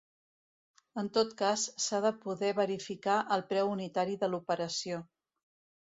En tot cas s'ha de poder verificar el preu unitari de l'operació.